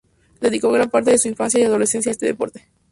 Dedicó gran parte de su infancia y adolescencia a este deporte.